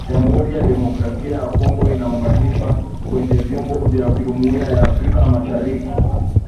jamuhuri ya kidemokrasia ya Kongo inaunganishwa kwenye vyombo vya jumuiya ya Afrika mashariki